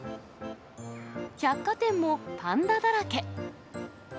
百貨店もパンダだらけ。